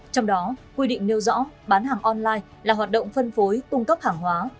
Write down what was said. trong đó quy định nêu rõ bán hàng online là hoạt động phân phối cung cấp hàng hóa